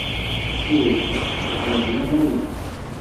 Ih, iḍelli ay ddiɣ.